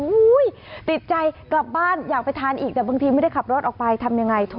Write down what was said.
ติดใจกลับบ้านอยากไปทานอีกแต่บางทีไม่ได้ขับรถออกไปทำยังไง